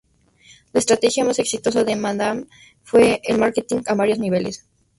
La estrategia más exitosa de Madame fue el marketing a varios niveles.